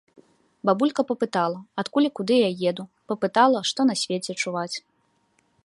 Бабулька папытала, адкуль і куды я еду, папытала, што на свеце чуваць.